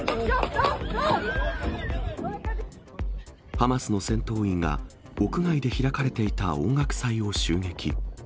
ハマスの戦闘員が、屋外で開かれていた音楽祭を襲撃。